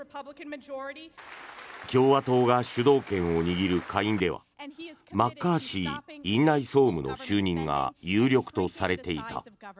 共和党が主導権を握る下院ではマッカーシー院内総務の就任が有力とされていた。